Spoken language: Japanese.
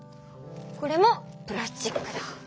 これもプラスチックだ。